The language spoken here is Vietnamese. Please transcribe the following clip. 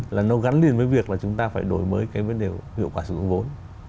là nó gắn liền với việc là chúng ta phải đổi mới cái vấn đề hiệu quả sử dụng vốn